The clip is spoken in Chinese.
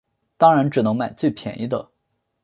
当然只能买最便宜的